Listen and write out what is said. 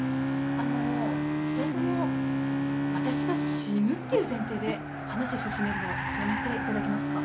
あの２人とも私が死ぬっていう前提で話進めるのやめていただけますか。